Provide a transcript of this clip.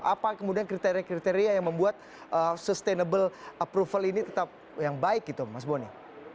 apa kemudian kriteria kriteria yang membuat sustainable approval ini tetap yang baik gitu mas boni